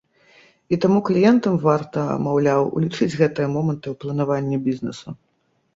І таму кліентам варта, маўляў, улічыць гэтыя моманты ў планаванні бізнэсу.